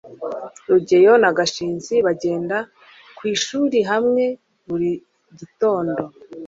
rugeyo na gashinzi bagenda ku ishuri hamwe buri gitondo